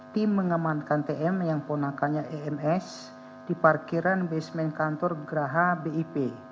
tim mengamankan tm yang ponakannya ems di parkiran basement kantor geraha bip